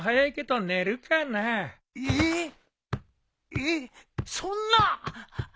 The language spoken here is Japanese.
えっそんな。